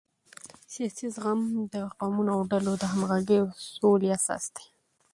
سیاسي زغم د قومونو او ډلو د همغږۍ او سولې اساس دی